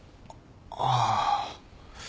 ああ。